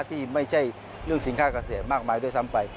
ที่ไม่ใช่เรื่องสินค้าเกษตรมากมายด้วยซ้ำไป